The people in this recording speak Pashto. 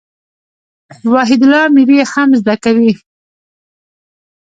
وحيدالله اميري ئې هم زده کوي.